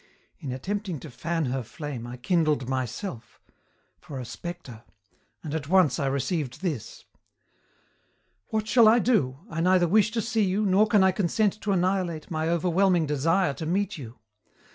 In attempting to fan her flame I kindled myself for a spectre and at once I received this: "'What shall I do? I neither wish to see you, nor can I consent to annihilate my overwhelming desire to meet you.